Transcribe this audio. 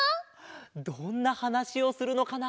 どんなはなしをするのかな？